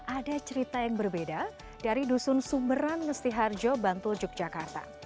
ada cerita yang berbeda dari dusun sumberan ngestiharjo bantul yogyakarta